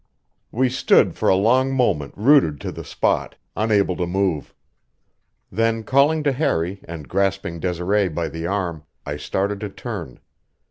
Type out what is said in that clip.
We stood for a long moment rooted to the spot, unable to move. Then, calling to Harry and grasping Desiree by the arm, I started to turn.